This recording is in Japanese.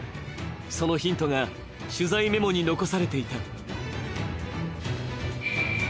そのヒントが取材メモに残されていた。